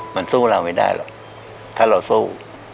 มันสู้เราไม่ได้หรอกถ้าเราสู้